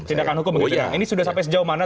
tindakan hukum begitu ini sudah sampai sejauh mana